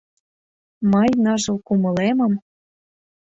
Мый ныжыл кумылемым